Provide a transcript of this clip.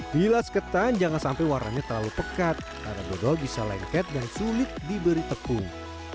bilas ketan jangan sampai warnanya terlalu pekat karena dodol bisa lengket dan sulit diberi tepung